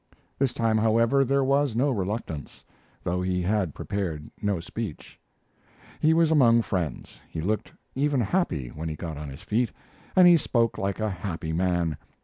This time, however, there was no reluctance, though he had prepared no speech. He was among friends. He looked even happy when he got on his feet, and he spoke like a happy man.